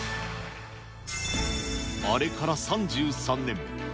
あれから３３年。